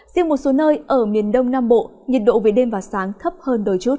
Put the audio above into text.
riêng một số nơi ở miền đông nam bộ nhiệt độ về đêm và sáng thấp hơn đôi chút